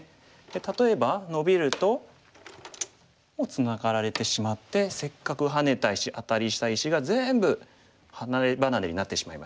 例えばノビるともうツナがられてしまってせっかくハネた石アタリした石が全部離れ離れになってしまいましたね。